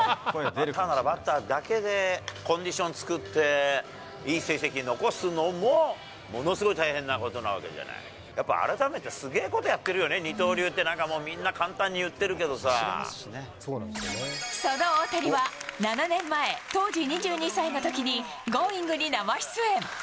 バッターならバッターだけで、コンディション作って、いい成績残すのもものすごい大変なことなわけじゃない、やっぱ改めてすげえことやってるよね、二刀流って、なんかみんな、その大谷は、７年前、当時２２歳のときにＧｏｉｎｇ！に生出演。